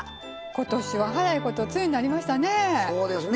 ことしは早いこと梅雨になりましたね。